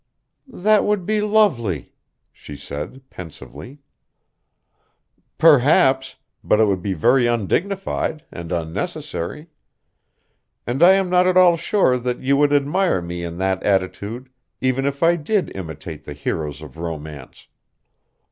"That would be lovely," she said pensively. "Perhaps, but it would be very undignified and unnecessary. And I am not at all sure that you would admire me in that attitude even if I did imitate the heroes of romance.